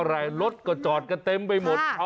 แบบนี้คือแบบนี้คือแบบนี้คือแบบนี้คือ